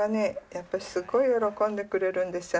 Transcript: やっぱしすっごい喜んでくれるんですよ。